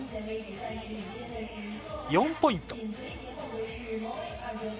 ３５．４ポイント。